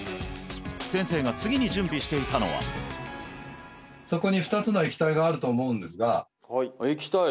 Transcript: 先生が次に準備していたのはそこに２つの液体があると思うんですが液体？